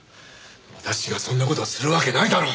私がそんな事をするわけないだろ！